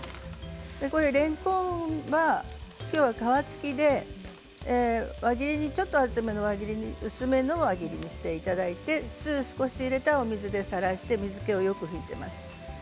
れんこんは、今日は皮付きでちょっと薄めの輪切りにしていただいて酢を入れた水でさらして水を切ってあります。